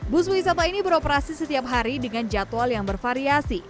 bus wisata ini beroperasi setiap hari dengan jadwal yang bervariasi